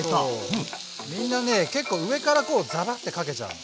みんなね結構上からこうザバッてかけちゃうの。